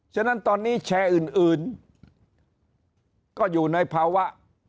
ฉะนั้นตอนนี้แชร์อื่นก็อยู่ในภาวะ